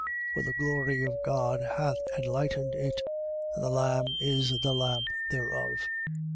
For the glory of God hath enlightened it: and the Lamb is the lamp thereof.